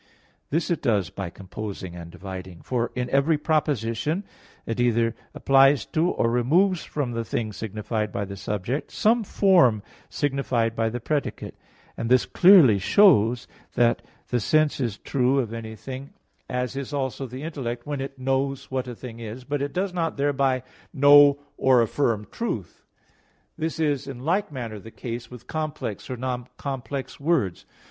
This it does by composing and dividing: for in every proposition it either applies to, or removes from the thing signified by the subject, some form signified by the predicate: and this clearly shows that the sense is true of any thing, as is also the intellect, when it knows "what a thing is"; but it does not thereby know or affirm truth. This is in like manner the case with complex or non complex words.